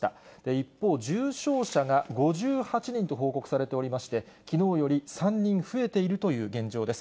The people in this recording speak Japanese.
一方、重症者が５８人と報告されておりまして、きのうより３人増えているという現状です。